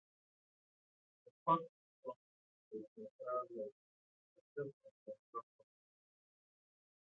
The path is flat for its entire length, except at the underpasses.